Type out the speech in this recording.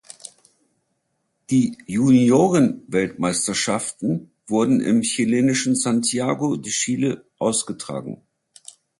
Die Junioren-Weltmeisterschaften wurden im chilenischen Santiago de Chile ausgetragen.